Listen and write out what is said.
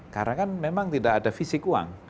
karena kan memang tidak ada fisik uang